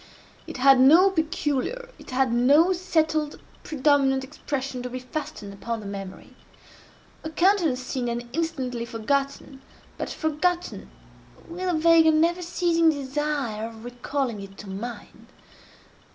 It had no peculiar, it had no settled predominant expression to be fastened upon the memory; a countenance seen and instantly forgotten, but forgotten with a vague and never ceasing desire of recalling it to mind.